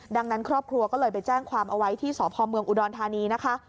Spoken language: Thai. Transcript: ดังนั้นครอบครัวก็เลยไปแจ้งความเอาไว้ที่สพเมืองอุดรธานีนะคะ